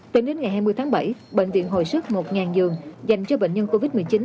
tính đến ngày hai mươi tháng bảy bệnh viện hồi sức một giường dành cho bệnh nhân covid một mươi chín